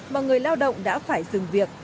mà người lao động đã phải dừng việc